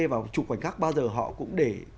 và chụp ảnh khác bao giờ họ cũng để